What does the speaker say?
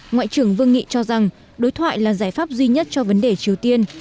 ngoại trưởng vương nghị cho rằng đối thoại là giải pháp duy nhất cho vấn đề triều tiên